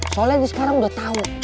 soalnya dia sekarang udah tau